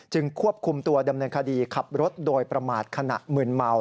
ควบคุมตัวดำเนินคดีขับรถโดยประมาทขณะมืนเมา